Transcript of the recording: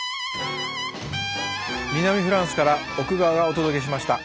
南フランスから奥川がお届けしました。